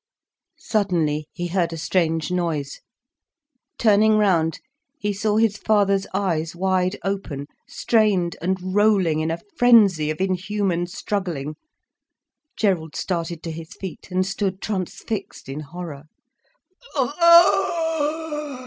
Suddenly he heard a strange noise. Turning round, he saw his father's eyes wide open, strained and rolling in a frenzy of inhuman struggling. Gerald started to his feet, and stood transfixed in horror.